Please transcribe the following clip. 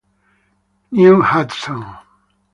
New Hudson